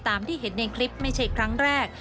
ที่เห็นในคลิปไม่ใช่ครั้งแรก